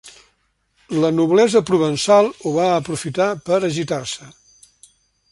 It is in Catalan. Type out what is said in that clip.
La noblesa provençal ho va aprofitar per agitar-se.